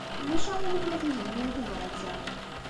Ulac aɣilif ma tuzneḍ-iyi tabṛat-a?